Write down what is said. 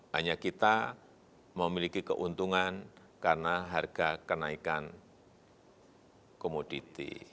hanya kita memiliki keuntungan karena harga kenaikan komoditi